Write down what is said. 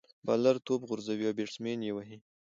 بالر توپ غورځوي، او بيټسمېن ئې وهي.